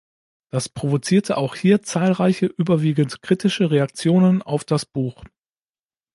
Das provozierte auch hier zahlreiche, überwiegend kritische Reaktionen auf das Buch.